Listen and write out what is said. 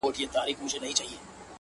هغه له میني جوړي پرندې به واپس راسي.